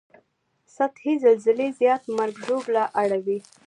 سطحي زلزلې زیاته مرګ ژوبله اړوي